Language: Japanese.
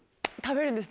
食べる？